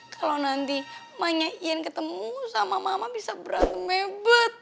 kalo nanti emaknya ian ketemu sama mama bisa berantem hebet